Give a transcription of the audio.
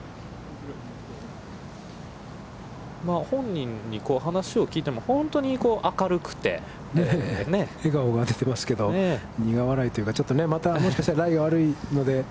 本人に話を聞いても、本当に明るくて、笑顔が出てますけど、苦笑いというか、また、もしかしたらライが悪いので。